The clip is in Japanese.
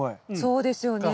そうですよね。